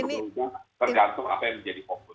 ini bergantung apa yang menjadi fokus